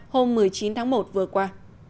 hôm một mươi chín tháng một vừa qua